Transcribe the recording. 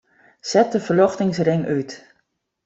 Set de ferljochtingsring út.